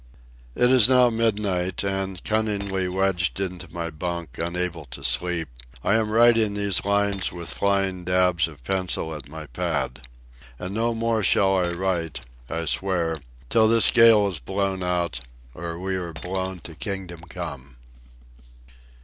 It is now midnight, and, cunningly wedged into my bunk, unable to sleep, I am writing these lines with flying dabs of pencil at my pad. And no more shall I write, I swear, until this gale is blown out, or we are blown to Kingdom Come.